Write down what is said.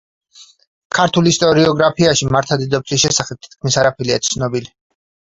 ქართულ ისტორიოგრაფიაში მართა დედოფლის შესახებ თითქმის არაფერია ცნობილი.